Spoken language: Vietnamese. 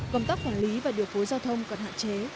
gom tắc quản lý và điều phối giao thông còn hạn chế